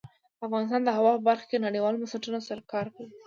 افغانستان د هوا په برخه کې نړیوالو بنسټونو سره کار کوي.